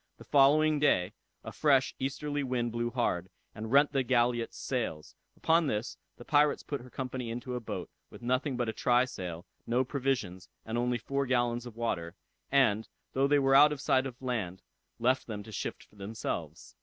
The day following, a fresh easterly wind blew hard, and rent the galliot's sails; upon this the pirates put her company into a boat, with nothing but a try sail, no provisions, and only four gallons of water, and, though they were out of sight of land, left them to shift for themselves.